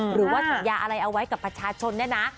หรือว่าสัญญาอะไรเอาไว้กับประชาชนเนี่ยนะ